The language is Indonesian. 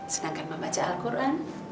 senangkan membaca al quran